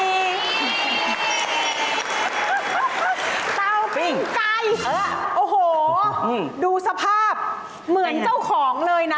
เตาปิ้งไก่โอ้โหดูสภาพเหมือนเจ้าของเลยนะ